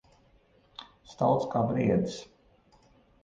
Stalts kā briedis.